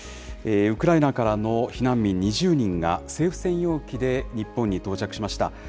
ウクライナからの避難民２０人が、政府専用機で日本に到着しました。